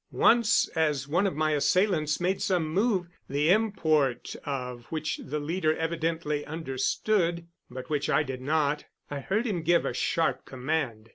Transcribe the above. Once, as one of my assailants made some move, the import of which the leader evidently understood, but which I did not, I heard him give a sharp command.